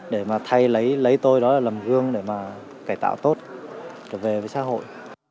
để mà thay lấy tôi đó là lầm gương để mà cải tạo tốt trở về với xã hội